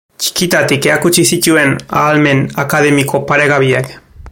Txikitatik erakutsi zituen ahalmen akademiko paregabeak.